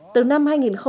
từ năm hai nghìn